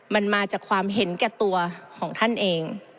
มันมาจากความเห็นแก่ตัวของท่านเอง